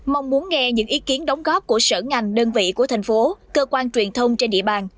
mong muốn nghe những ý kiến đóng góp của sở ngành đơn vị của thành phố cơ quan truyền thông trên địa bàn